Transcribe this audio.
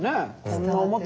こんな思って。